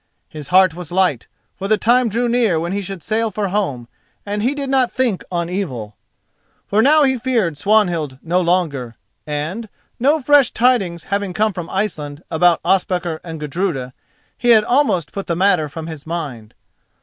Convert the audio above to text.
His heart was light, for the time drew near when he should sail for home, and he did not think on evil. For now he feared Swanhild no longer, and, no fresh tidings having come from Iceland about Ospakar and Gudruda, he had almost put the matter from his mind.